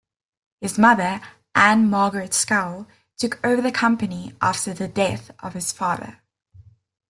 His mother Ane-Margrethe Skou took over the company after the death of his father.